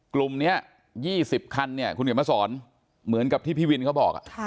กลุ่มนี้๒๐คันเนี่ยคุณเขียนมาสอนเหมือนกับที่พี่วินเขาบอก